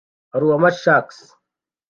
-- Alabama Shakes